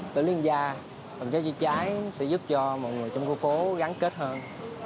tổ liên gia phòng cháy chữa cháy sẽ giúp cho mọi người trong khu phố gắn kết hơn